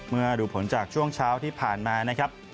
ดูผลจากช่วงเช้าที่ผ่านมานะครับ